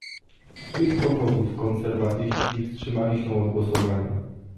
Z tych powodów konserwatyści wstrzymali się od głosowania